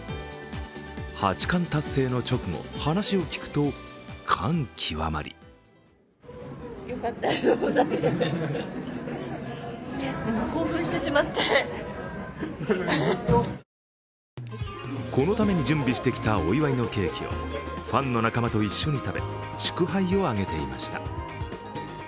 八冠達成の直後、話を聞くと感極まりこのために準備してきたお祝いのケーキをファンの仲間と一緒に食べ、祝杯を挙げていました。